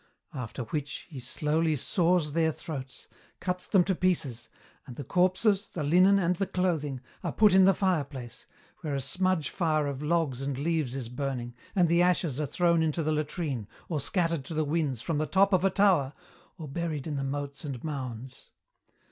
After which, he slowly saws their throats, cuts them to pieces, and the corpses, the linen and the clothing, are put in the fireplace, where a smudge fire of logs and leaves is burning, and the ashes are thrown into the latrine, or scattered to the winds from the top of a tower, or buried in the moats and mounds.